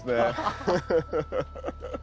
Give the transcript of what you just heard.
ハハハッ。